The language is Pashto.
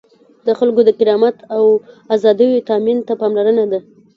د خلکو د کرامت او آزادیو تأمین ته پاملرنه ده.